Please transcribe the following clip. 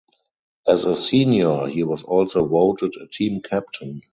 As a senior, he was also voted a team captain.